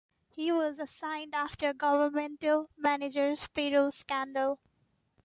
He was resigned after governmental managers payroll scandal.